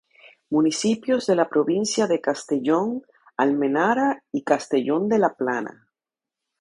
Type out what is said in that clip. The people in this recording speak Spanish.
Municipios de la provincia de Castellón: Almenara y Castellón de la Plana.